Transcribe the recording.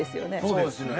そうですよね。